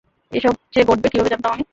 এসব যে ঘটবে কীভাবে জানতাম আমি?